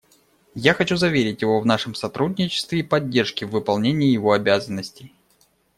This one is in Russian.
Я хочу заверить его в нашем сотрудничестве и поддержке в выполнении его обязанностей.